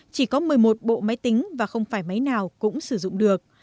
chỉ có một mươi một bộ máy tính và không phải máy nào cũng sử dụng được